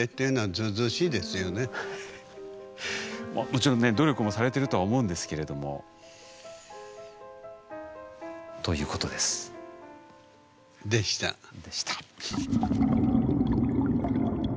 もちろんね努力もされてるとは思うんですけれども。ということです。でした。でした。